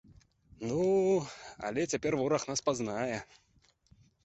Ну, але цяпер вораг нас пазнае!